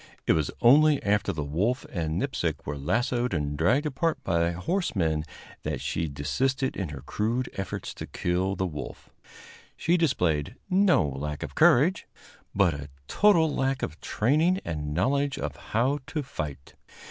It was only after the wolf and Nipsic were lassoed and dragged apart by horsemen that she desisted in her crude efforts to kill the wolf. She displayed no lack of courage, but a total lack of training and knowledge of how to fight.